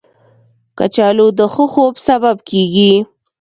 کچالو د ښه خوب سبب کېږي